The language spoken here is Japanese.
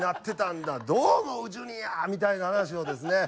「どう思う？ジュニア！」みたいな話をですね